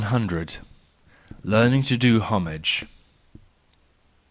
Learning to do Homage.